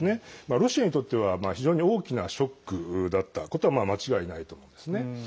ロシアにとっては非常に大きなショックだったことは間違いないと思うんですね。